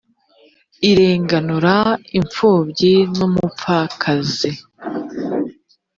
irenganura imfubyi n’umupfakazi,